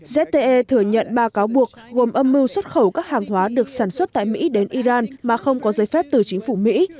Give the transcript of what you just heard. zte thừa nhận ba cáo buộc gồm âm mưu xuất khẩu các hàng hóa được sản xuất tại mỹ đến iran mà không có giấy phép từ chính phủ mỹ